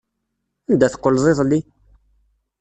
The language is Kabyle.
Anda teqqleḍ iḍelli?